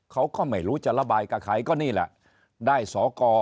เขาก็ไม่รู้จะระบายกับใครก็นี่แหละได้สอกร